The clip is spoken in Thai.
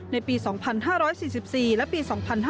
ในปี๒๕๔๔และปี๒๕๕๙